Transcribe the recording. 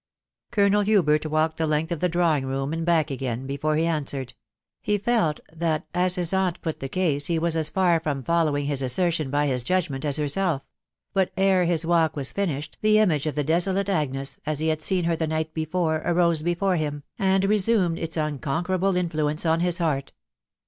Colonel Hubert walked the length of uie ♦drawing room, and back again, before he answered ; lie felt 4hat, as his aunt put die case, he was as far from fo&kmmg Irs assertion Try «his judgment as herself; bat ere Ins untax was finished, the image of the desolate Agnes, as he nad aeen far the night (before, arose before nhn, and resumed its un aaaquerable mnuenceun his heart.